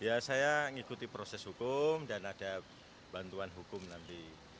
ya saya mengikuti proses hukum dan ada bantuan hukum nanti